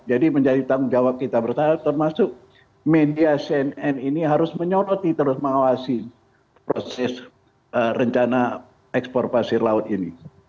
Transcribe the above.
jadi menjadi tanggung jawab kita bersama termasuk media cnn ini harus menyoroti terus mengawasi proses rencana ekspor pasir laut ini